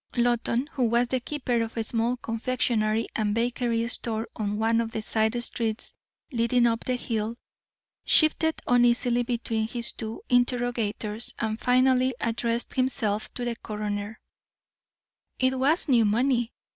Loton, who was the keeper of a small confectionery and bakery store on one of the side streets leading up the hill, shifted uneasily between his two interrogators, and finally addressed himself to the coroner: "It was new money.